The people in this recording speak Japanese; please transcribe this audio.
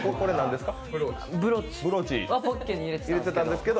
ブローチ。はポッケに入れてたんですけど。